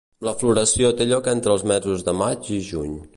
La floració té lloc entre els mesos de maig i juny.